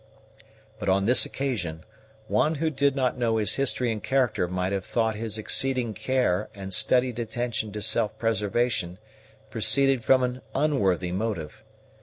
But on this occasion, one who did not know his history and character might have thought his exceeding care and studied attention to self preservation proceeded from an unworthy motive.